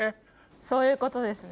そういうことですね。